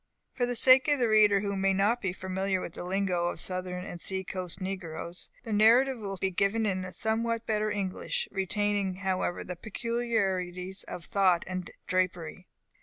(For the sake of the reader who may not be familiar with the lingo of southern and sea coast negroes, the narrative will be given in somewhat better English, retaining, however, the peculiarities of thought and drapery.)